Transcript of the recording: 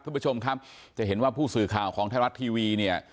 คุณผู้ชมครับจะเห็นว่าผู้สื่อข่าวของไทยรัฐทีวีเนี่ย